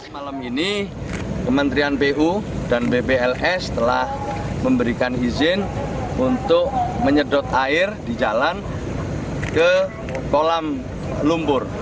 malam ini kementerian pu dan bpls telah memberikan izin untuk menyedot air di jalan ke kolam lumpur